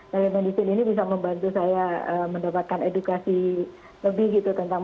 telemedicine ini bisa membantu saya mendapatkan edukasi lebih gitu tentang